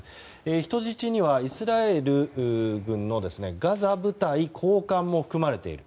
人質にはイスラエル軍のガザ部隊高官も含まれている。